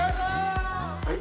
はい。